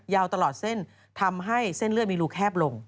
ยาวตลอดเส้นทำให้เส้นเลือดมีรูแคบลง